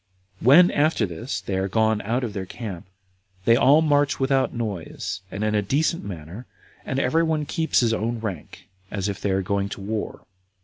5. When, after this, they are gone out of their camp, they all march without noise, and in a decent manner, and every one keeps his own rank, as if they were going to war.